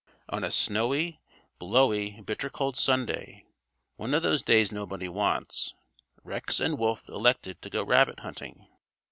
On a snowy, blowy, bitter cold Sunday one of those days nobody wants Rex and Wolf elected to go rabbit hunting.